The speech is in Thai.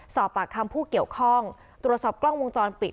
สอบปากคำผู้เกี่ยวข้องตรวจสอบกล้องวงจรปิด